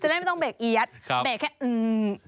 จะได้ไม่ต้องเบรกเอี๊ยดเบรกแค่อืมพอ